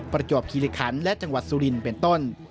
ประจวบคิริคันและจังหวัดสุรินเป็นต้น